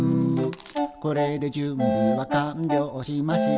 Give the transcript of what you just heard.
「これで準備は完了しました」